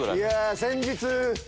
先日。